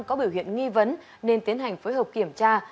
có biểu hiện nghi vấn nên tiến hành phối hợp kiểm tra